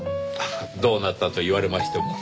どうなったと言われましても。